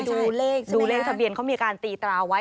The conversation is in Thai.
ดูเลขใช่ไหมคะใช่ดูเลขทะเบียนเขามีอาการตีตราไว้